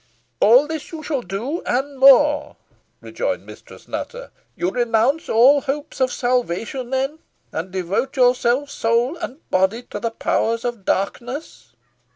"All this you shall do, and more," rejoined Mistress Nutter. "You renounce all hopes of salvation, then, and devote yourself, soul and body, to the Powers of Darkness."